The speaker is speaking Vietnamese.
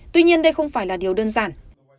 tuy nhiên đây không phải là điều đơn giản